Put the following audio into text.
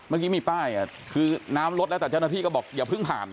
เมื่อกี้มีป้ายคือน้ำลดแล้วแต่เจ้าหน้าที่ก็บอกอย่าเพิ่งผ่าน